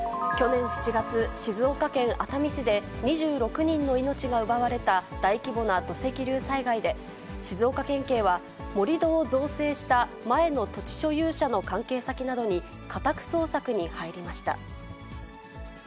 去年７月、静岡県熱海市で２６人の命が奪われた大規模な土石流災害で、静岡県警は、盛り土を造成した前の土地所有者の関係先などに、家宅捜索に入りました。